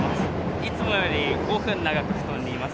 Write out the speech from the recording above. いつもより５分長く布団にいます